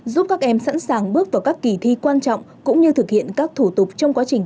giúp các em sẵn sàng bước vào các kỳ thi quan trọng cũng như thực hiện các thủ tục trong quá trình